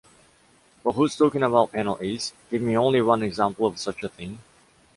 But who’s talking about penalties? Give me only one example of such a thing.